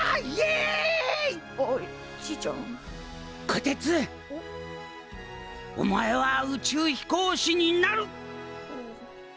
こてつお前は宇宙飛行士になる！